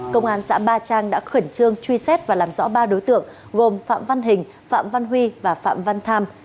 công an xã ba trang đã khẩn trương truy xét và làm rõ ba đối tượng gồm phạm văn hình phạm văn huy và phạm văn tham